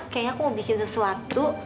kayaknya aku mau bikin sesuatu